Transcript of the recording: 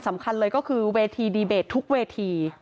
สำคัญเลยก็คือเวทีดีเบตทุกเวที